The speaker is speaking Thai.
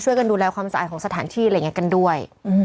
กันดูแลความสะอาดของสถานที่อะไรอย่างนี้กันด้วย